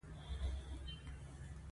زیان بد دی.